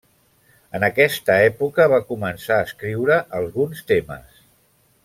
En aquesta època va començar a escriure alguns temes.